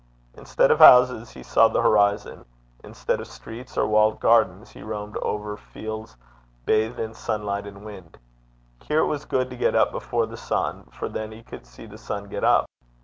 Instead of houses, he saw the horizon; instead of streets or walled gardens, he roamed over fields bathed in sunlight and wind. Here it was good to get up before the sun, for then he could see the sun get up.